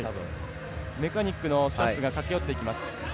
メカニックのスタッフが駆け寄っていきます。